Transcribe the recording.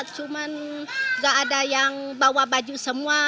cuma nggak ada yang bawa baju semua